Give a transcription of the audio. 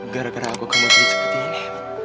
gara gara aku kemudian seperti ini